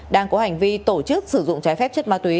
đang có hành vi tổ chức sử dụng trái phép chất ma túy